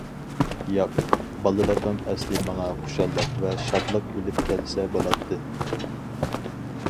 ياق، بالىلىقىم ئەسلى ماڭا خۇشاللىق ۋە شادلىق ئېلىپ كەلسە بولاتتى.